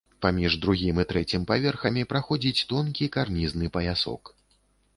Паміж другім і трэцім паверхамі праходзіць тонкі карнізны паясок.